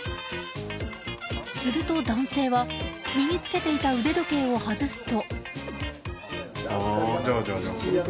すると男性は身に付けていた腕時計を外すと。